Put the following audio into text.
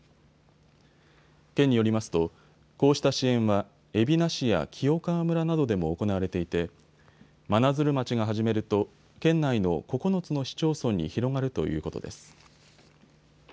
県によりますと、こうした支援は海老名市や清川村などでも行われていて真鶴町が始めると県内の９つの市町村に広がるということです。